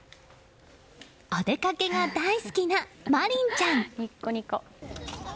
お出かけが大好きな茉凛ちゃん。